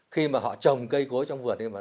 khi mà họ trồng cây cối trong vườn